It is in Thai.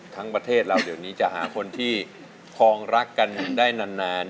ประเทศเราเดี๋ยวนี้จะหาคนที่พองรักกันได้นาน